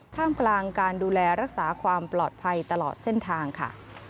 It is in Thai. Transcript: ท่ามกลางการดูแลรักษาความปลอดภัยตลอดเส้นทางค่ะ